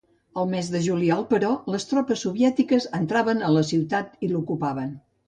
Al mes de juliol però, les tropes soviètiques entraven a la ciutat i l'ocupaven.